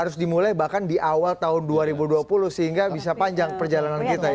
harus dimulai bahkan di awal tahun dua ribu dua puluh sehingga bisa panjang perjalanan kita ya